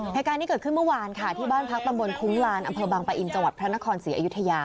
เหตุการณ์นี้เกิดขึ้นเมื่อวานค่ะที่บ้านพักตำบลคุ้งลานอำเภอบางปะอินจังหวัดพระนครศรีอยุธยา